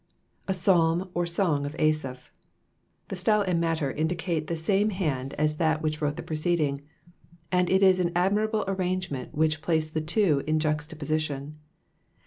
A Psalm or Song of Asaph. The style ana matter iwUcate the same hand as tftat which wrote the preceding ; and U is an admiralAe arrangement which placed the two in juxtaposition.